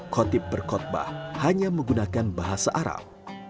khotib berkotbah hanya menggunakan bahasa arab